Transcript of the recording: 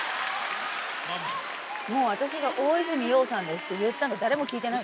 私が「大泉洋さんです」って言ったの誰も聞いてない。